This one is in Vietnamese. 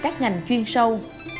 thành chuyên sâu